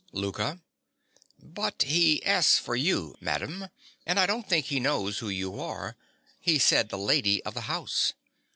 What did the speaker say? LOUKA. But he asks for you, madam. And I don't think he knows who you are: he said the lady of the house.